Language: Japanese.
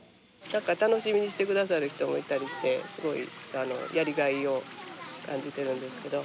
何か楽しみにしてくださる人もいたりしてすごいやりがいを感じてるんですけど。